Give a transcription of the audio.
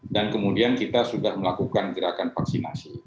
dan kemudian kita sudah melakukan gerakan vaksinasi